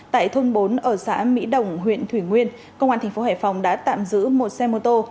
tại thôn bốn ở xã mỹ đồng huyện thủy nguyên công an thành phố hải phòng đã tạm giữ một xe mô tô